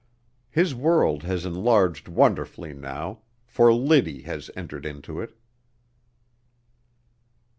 His world has enlarged wonderfully now, for Liddy has entered into it.